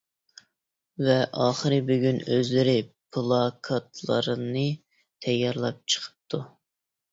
ۋە ئاخىرى بۈگۈن ئۆزلىرى پىلاكاتلارنى تەييارلاپ چىقىپتۇ.